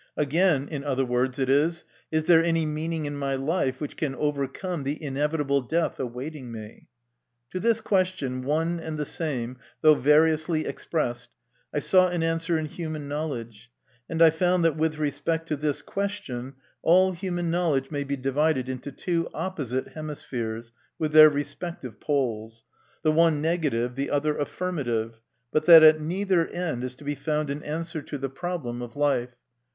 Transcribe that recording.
Again, in other words it is :" Is there any meaning in my life which can overcome the inevitable death awaiting me?" To this question, one and the same, though variously expressed, I sought an answer in human knowledge, and I found that with respect to this question all human knowledge may be divided into two opposite hemispheres, with their respective poles, the one negative, the other affirmative, but that at neither end is to be found an answer to the problem of MY CONFESSION. 41 life.